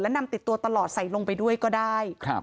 นำติดตัวตลอดใส่ลงไปด้วยก็ได้